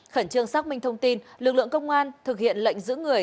khẩn trương xác minh thông tin lực lượng công an thực hiện lệnh giữ người